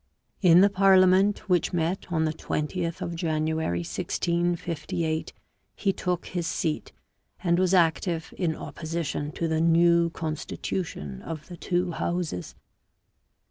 In the parliament which met on the 20th of January 1658, he took his seat, and was active in opposition to the new constitution of the two Houses.